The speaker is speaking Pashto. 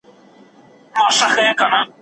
يوازي سړي سر ګټه د پرمختګ معيار نه سي کېدای.